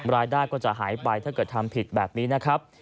รายได้ก็จะหายไปถ้าเกิดทำผิดแบบนี้นะครับ